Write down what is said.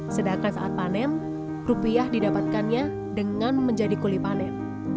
sedangkan saat panen rupiah didapatkannya dengan menjadi kuli panen